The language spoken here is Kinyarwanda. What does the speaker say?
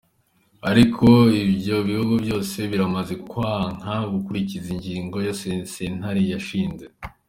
Ariko ivyo bihugu vyose biramaze kwanka gukurikiza ingingo iyo sentare yashinze.